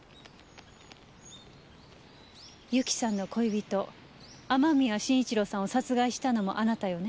由紀さんの恋人雨宮慎一郎さんを殺害したのもあなたよね？